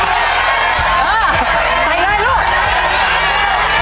เล็กมือลูกเล็กมือ